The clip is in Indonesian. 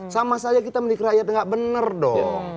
sama saja kita menikrairnya gak bener dong